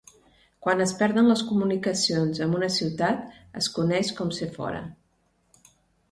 Quan es perden les comunicacions amb una ciutat, es coneix com ser fora.